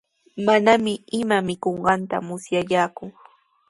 Manami ima mikunqanta musyallaaku.